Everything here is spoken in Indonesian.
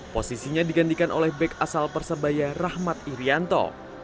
posisinya digantikan oleh back asal persebaya rahmat irianto